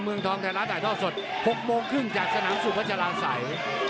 เมืองทองไทยรัฐถ่ายท่อสด๖โมงครึ่งจากสนามสุพัชราศัย